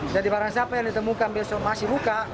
jadi barang siapa yang ditemukan besok masih buka